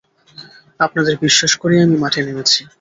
আপনাদের বিশ্বাস করেই আমি মাঠে নেমেছি।